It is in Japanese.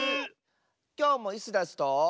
きょうもイスダスと。